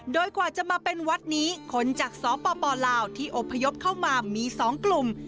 โดยกว่าจะมาเป็นวัดนี้คนจากสปลาวที่อบพยพเข้ามามี๒กลุ่ม